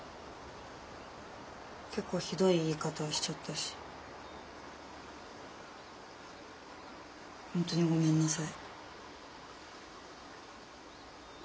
結構ひどい言い方しちゃったし本当にごめんなさい。